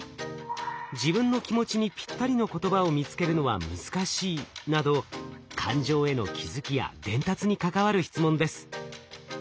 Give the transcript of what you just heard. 自分の気持ちにぴったりの言葉を見つけるのは難しいなど感情への気づきや伝達に関わる質問です。